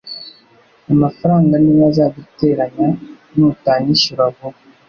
amafaranga niyo azaduteranya nutanyishyura vuba